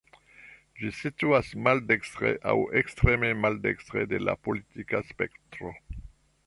Ĝi situas maldekstre, aŭ ekstreme maldekstre de la politika spektro.